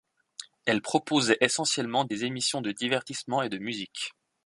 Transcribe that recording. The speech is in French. Elle proposait essentiellement des émissions de divertissement et de musique.